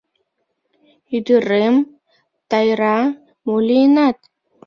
Ӱдырем, Тайра, мо лийынат?